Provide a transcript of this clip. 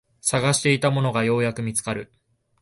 探していたものがようやく見つかる